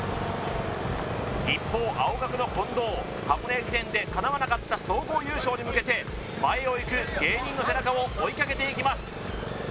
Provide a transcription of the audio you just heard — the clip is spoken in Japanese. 一方青学の近藤箱根駅伝でかなわなかった総合優勝に向けて前を行く芸人の背中を追いかけていきます